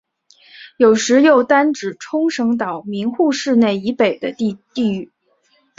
有时又单指冲绳岛名护市以北的地域。